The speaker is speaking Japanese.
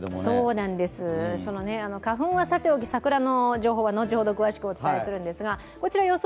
花粉はさておき桜の情報は後ほどお伝えするんですがこちら予想